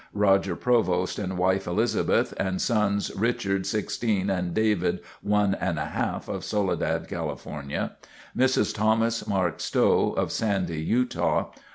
Roger Provost, and wife, Elizabeth, and sons, Richard 16, and David, 1½, of Soledad, California. Mrs. Thomas Mark Stowe of Sandy, Utah.